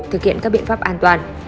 thực hiện các biện pháp an toàn